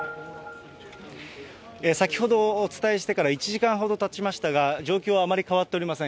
先ほどお伝えしてから１時間ほどたちましたが、状況はあまり変わっていません。